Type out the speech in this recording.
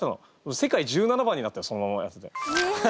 世界１７番になったよそのままやってて。